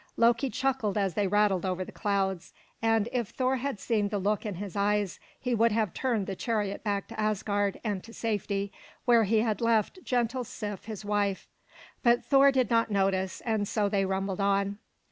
Loki chuckled as they rattled over the clouds, and if Thor had seen the look in his eyes, he would have turned the chariot back to Asgard and to safety, where he had left gentle Sif his wife. But Thor did not notice, and so they rumbled on.